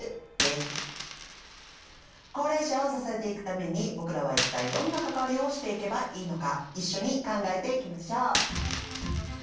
高齢者を支えていくために僕らは一体どんな関わりをしていけばいいのか一緒に考えていきましょう。